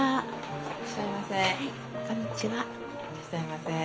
いらっしゃいませ。